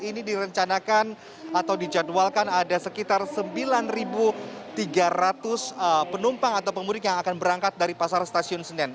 ini direncanakan atau dijadwalkan ada sekitar sembilan tiga ratus penumpang atau pemudik yang akan berangkat dari pasar stasiun senen